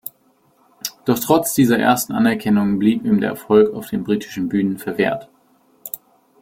Doch trotz dieser ersten Anerkennung blieb ihm der Erfolg auf den britischen Bühnen verwehrt.